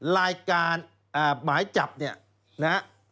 หมายการหมายจับเนี่ยนะฮะ